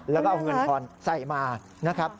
แล้วก็เอาเงินทอนใส่มา